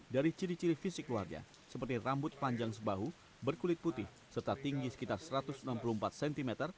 dari ciri ciri fisik keluarga seperti rambut panjang sebahu berkulit putih serta tinggi sekitar satu ratus enam puluh empat cm